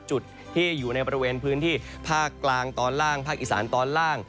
จุดที่อยู่ในบริเวณพื้นที่ภาคกลางตอนล่างภาคอีสานตอนล่าง